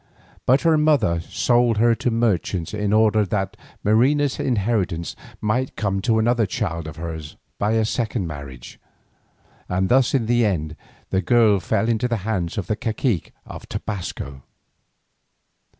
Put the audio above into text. But her mother sold her to merchants in order that Marina's inheritance might come to another child of hers by a second marriage, and thus in the end the girl fell into the hands of the cacique of Tobasco.